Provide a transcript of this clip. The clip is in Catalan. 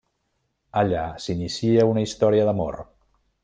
Allà s'inicia una història d'amor.